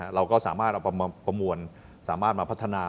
เราก็สามารถเอาประมวลสามารถมาพัฒนา